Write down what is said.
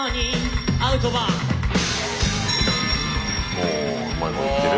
おうまいこといってる？